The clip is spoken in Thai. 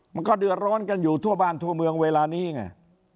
มันก็เดือดร้อนกันอยู่ทั่วบ้านทั่วเมืองเวลานี้ไง